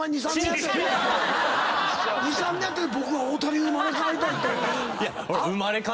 ２３年やって「僕は大谷に生まれ変わりたい」って。